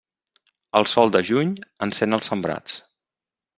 El sol de juny encén els sembrats.